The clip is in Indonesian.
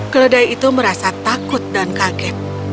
keledai itu merasa takut dan kaget